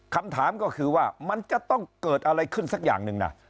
คำถามก็คือว่ามันจะต้องเกิดอะไรขึ้นสักอย่างหนึ่งนะ